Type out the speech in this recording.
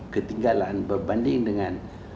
ketinggalan berbanding dengan